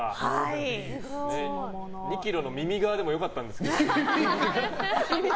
２ｋｇのミミガーでも良かったんですけど。